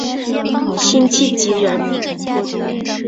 辛弃疾人。